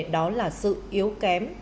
đó là sự yếu kém